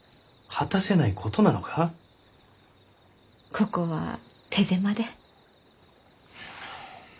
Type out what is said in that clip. ここは手狭で。